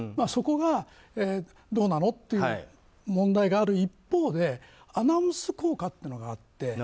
そこがどうなの？という問題がある一方でアナウンス効果というのがあって。